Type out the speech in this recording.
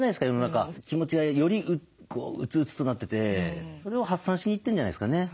気持ちがより鬱々となっててそれを発散しに行ってんじゃないですかね。